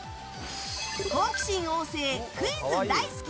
好奇心旺盛、クイズ大好き！